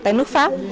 tại nước pháp